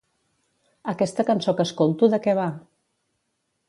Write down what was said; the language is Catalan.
Aquesta cançó que escolto de què va?